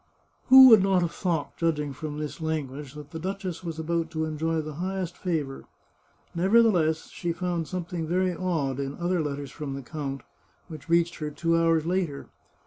" Who would not have thought, judging from this lan guage, that the duchess was about to enjoy the highest fa vour ? Nevertheless, she found something very odd in other letters from the count, which reached her two hours later.